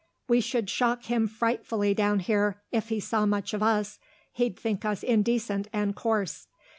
We should shock him frightfully down here if he saw much of us; he'd think us indecent and coarse.